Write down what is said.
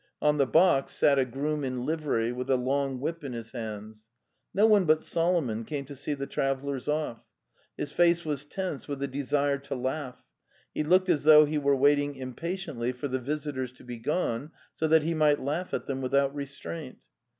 On the box sat a groom in livery, with a long whip in his hands. No one but Solomon came to see the travellers off. His face was tense with a desire to laugh; he looked as though he were waiting im patiently for the visitors to be gone, so that he might laugh at them without restraint.